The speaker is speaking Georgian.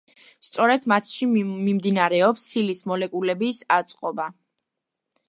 სწორედ მათში მიმდინარეობს ცილის მოლეკულების აწყობა.